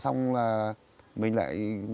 xong là mình lại phân công